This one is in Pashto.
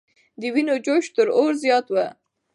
د وینو جوش تر اور زیات و.